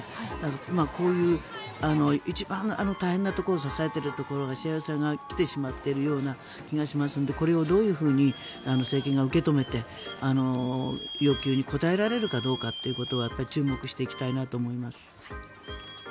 こういう一番大変なところを支えているところにしわ寄せが来てしまっているような気がしますのでこれをどう政権が受け止めて要求に応えられるかどうかを注目していきたいなと思います。